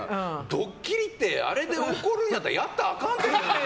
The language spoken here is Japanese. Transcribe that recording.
ドッキリってあれで怒るんやったらやったらあかんって。